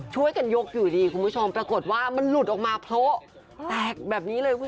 ช่วยกันยกอยู่ดีคุณผู้ชมปรากฏว่ามันหลุดออกมาโพะแตกแบบนี้เลย